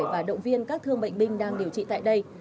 và động viên các thương bệnh binh đang điều trị tại đây